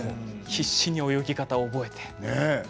必死に泳ぎ方を覚えて。